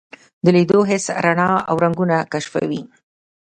د لیدو حس رڼا او رنګونه کشفوي.